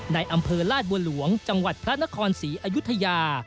ในอำเภอลาดบัวหลวงจังหวัดพระนครศรีอยุธยา